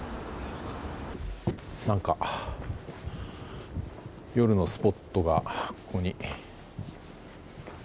何か夜のスポットがここに。